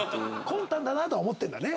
魂胆だなとは思ってるんだね。